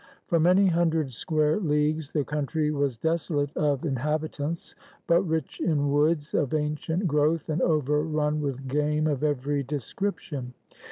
For many hundred square leagues the country was desolate of inhabitants, but rich in woods of ancient growth and overrun with game of every description.